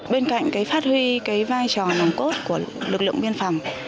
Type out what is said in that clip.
bên cạnh cái phát huy cái vai trò nồng cốt của lực lượng biên phòng